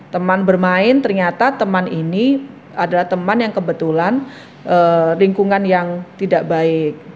teman bermain ternyata teman ini adalah teman yang kebetulan lingkungan yang tidak baik